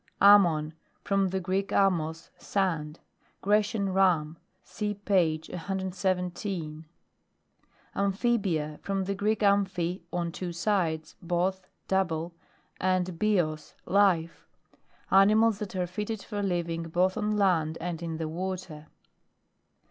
AMMON. From the Greek, ammos, sand : Grecian Ram. (See p ige 117.) AMPHIBIA. From the Greek, amphi on two side*, both, double, and bios, life : animals that are fitted for living both on land and in the water.